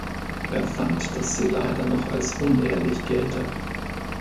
Er fand, dass sie leider noch als unehrlich gelte.